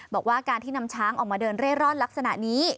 บอกว่าการที่นำช้างออกมาเดินเร่ร่อนลักษณะนี้